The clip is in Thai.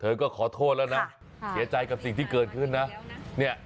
ก็ขอโทษแล้วนะเสียใจกับสิ่งที่เกิดขึ้นนะเนี่ย